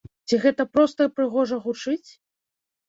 Ці гэта проста прыгожа гучыць?